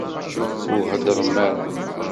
Ur heddṛem ara!